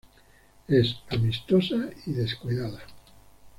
Es amistosa y descuidada.